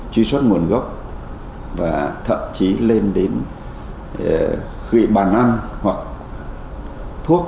truy xuất nguồn gốc và thậm chí lên đến khy bàn ăn hoặc thuốc